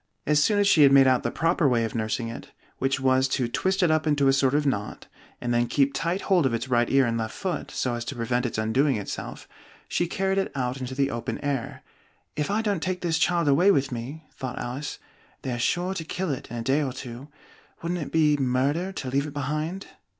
As soon as she had made out the proper way of nursing it, (which was to twist it up into a sort of knot, and then keep tight hold of its right ear and left foot, so as to prevent its undoing itself), she carried it out into the open air. "If I don't take this child away with me," thought Alice, "they're sure to kill it in a day or two: wouldn't it be murder to leave it behind?"